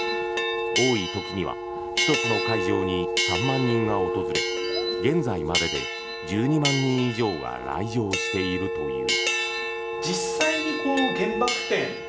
多い時には１つの会場に３万人が訪れ現在までで１２万人以上が来場しているという。